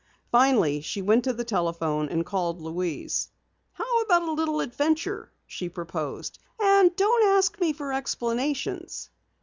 Finally she went to the telephone and called Louise. "How about a little adventure?" she proposed. "And don't ask for explanations."